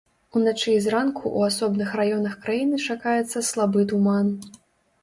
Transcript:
Уначы і зранку ў асобных раёнах краіны чакаецца слабы туман.